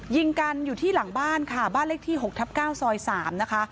ยิงกันอยู่ที่หลังบ้านค่ะบ้านเลขที่๖ทับ๙ซอย๓นะคะ